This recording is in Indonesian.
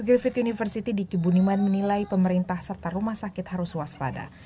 dr dr gryffit university di kibuniman menilai pemerintah serta rumah sakit harus waspada